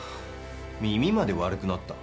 耳まで悪くなった？